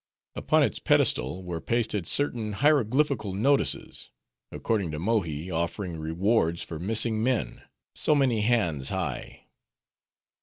Upon its pedestal, were pasted certain hieroglyphical notices; according to Mohi, offering rewards for missing men, so many hands high.